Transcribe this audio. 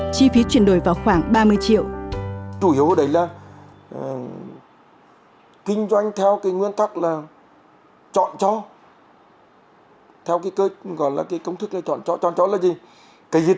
chi phí chuyển đổi vào khoảng ba mươi triệu